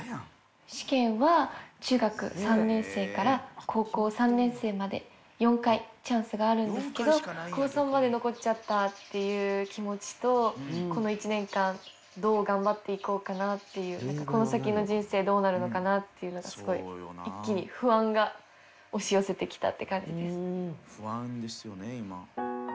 試験は中学３年生から高校３年生まで４回、チャンスがあるんですけど、高３まで残っちゃったという気持ちと、この１年間どう頑張っていこうかなっていう、なんかこの先の人生、どうなるのかなっていうのがすごい、一気に不安が押し寄せてきたって感じです。